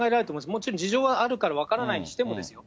もちろん事情はあるから分からないにしてもですよ。